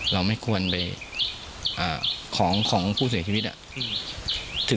เราไม่ควรไปของผู้เสียชีวิต